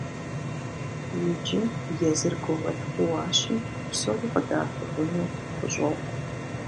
Иджы езыр гугъуехь Ӏууащи, псори къыдэӀэпыкъуну хущӀокъу.